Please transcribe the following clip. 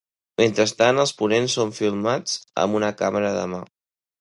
Mentrestant els ponents són filmats amb una càmera de mà.